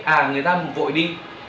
à người ta vội đi